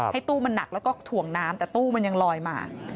ตู้มันหนักแล้วก็ถ่วงน้ำแต่ตู้มันยังลอยมา